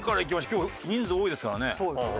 今日人数多いですからね。